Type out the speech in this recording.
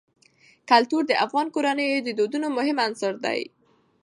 کلتور د افغان کورنیو د دودونو مهم عنصر دی.